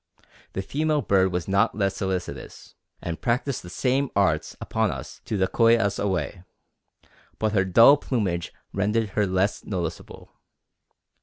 The female bird was not less solicitous, and practiced the same arts upon us to decoy us away, but her dull plumage rendered her less noticeable.